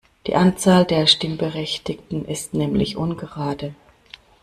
Die Anzahl der Stimmberechtigten ist nämlich ungerade.